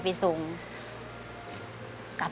ขอบคุณครับ